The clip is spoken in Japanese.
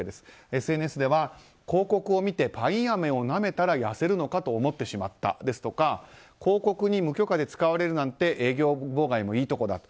ＳＮＳでは、広告を見てパインアメをなめたら痩せるのかと思ってしまったですとか広告に無許可で使われるなんて営業妨害もいいところだと。